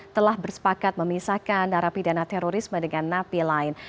telah bersepakat memisahkan darah pidana terorisme dengan napi lain